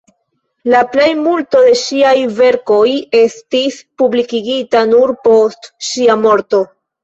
La plejmulto de ŝiaj verkoj estis publikigita nur post ŝia morto.